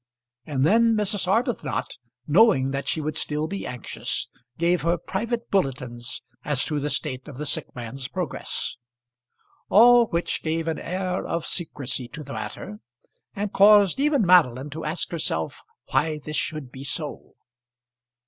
And then Mrs. Arbuthnot, knowing that she would still be anxious, gave her private bulletins as to the state of the sick man's progress; all which gave an air of secrecy to the matter, and caused even Madeline to ask herself why this should be so.